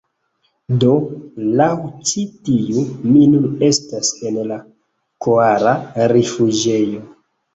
Do, laŭ ĉi tiu, mi nun estas en la koala rifuĝejo.